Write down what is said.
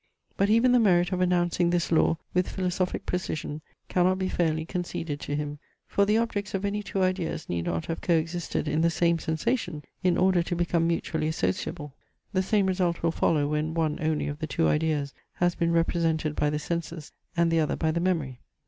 But even the merit of announcing this law with philosophic precision cannot be fairly conceded to him. For the objects of any two ideas need not have co existed in the same sensation in order to become mutually associable. The same result will follow when one only of the two ideas has been represented by the senses, and the other by the memory.